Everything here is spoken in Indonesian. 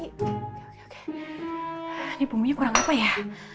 ini bumbunya kurang apa ya